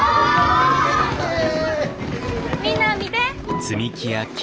みんな見て。